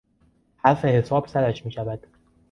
حرف حساب سرش میشود.